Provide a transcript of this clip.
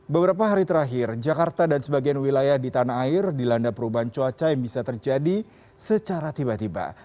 beberapa hari terakhir jakarta dan sebagian wilayah di tanah air dilanda perubahan cuaca yang bisa terjadi secara tiba tiba